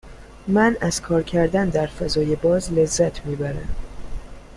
من از کار کردن در فضای باز لذت می برم.